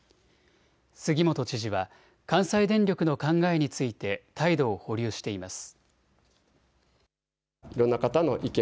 杉本知事は関西電力の考えについて態度を保留しています。